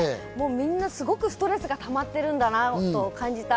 みんなすごくストレスがたまっているんだなと感じた。